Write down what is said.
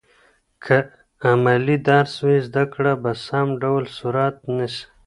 که عملي درس وي، زده کړه په سم ډول صورت نیسي.